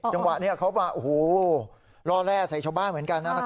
จังหวะนี้เขามาโอ้โหล่อแร่ใส่ชาวบ้านเหมือนกัน